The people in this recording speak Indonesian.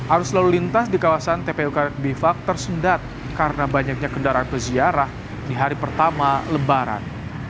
arus lalu lintas di kawasan tpu karbivak tersendat karena banyaknya kendaraan peziarah di hari pertama lebaran